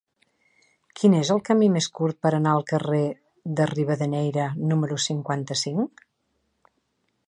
Quin és el camí més curt per anar al carrer de Rivadeneyra número cinquanta-cinc?